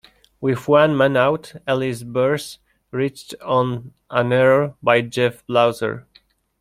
With one man out, Ellis Burks reached on an error by Jeff Blauser.